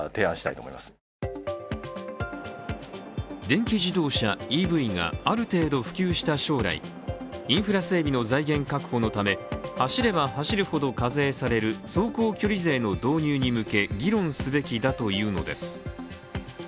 電気自動車＝ＥＶがある程度普及した将来インフラ整備の財源確保のため走れば走るほど課税される走行距離税の導入に向け議論すべきだというのです。